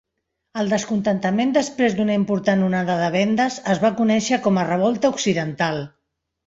El descontentament després d'una important onada de vendes es va conèixer com a Revolta Occidental.